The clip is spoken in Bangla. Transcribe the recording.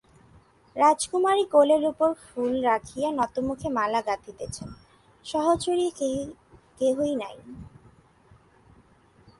রাজকুমারী কোলের উপর ফুল রাখিয়া নতমুখে মালা গাঁথিতেছেন, সহচরী কেহই নাই।